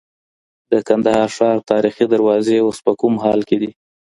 د کندهار ښار تاریخي دروازې اوس په کوم حال کي دي؟